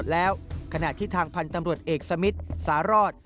แล้วขณะที่ทางพันธ์ตำรวจเอกสมิทสารอด